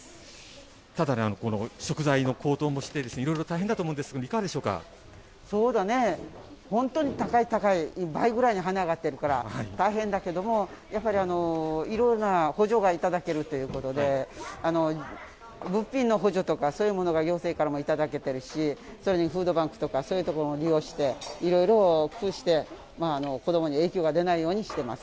ただね、食材の高騰もして大変だと思います、いかがでしょうそうだね、本当に高い、高い、倍ぐらいに跳ね上がってるから大変だけども、やっぱりいろいろな補助が頂けるということで、物品の補助とか、そういうものが行政からも頂けてるし、それにフードバンクとか、そういうところも利用して、いろいろ工夫して、子どもに影響が出ないようにしてます。